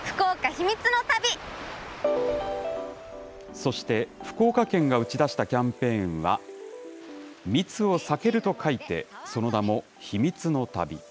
そして、福岡県が打ち出したキャンペーンは、密を避けると書いて、その名も、避密の旅。